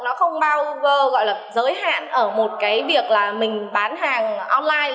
nó không bao gọi là giới hạn ở một cái việc là mình bán hàng online